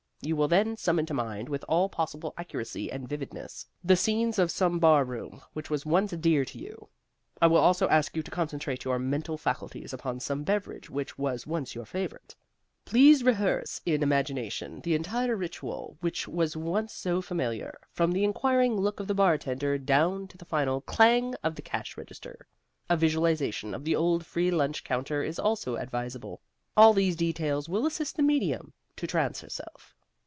You will then summon to mind, with all possible accuracy and vividness, the scenes of some bar room which was once dear to you. I will also ask you to concentrate your mental faculties upon some beverage which was once your favorite. Please rehearse in imagination the entire ritual which was once so familiar, from the inquiring look of the bartender down to the final clang of the cash register. A visualization of the old free lunch counter is also advisable. All these details will assist the medium to trance herself."